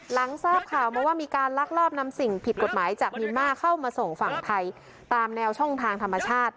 หลังทราบข่าวมาว่ามีการลักลอบนำสิ่งผิดกฎหมายจากเมียนมาร์เข้ามาส่งฝั่งไทยตามแนวช่องทางธรรมชาติ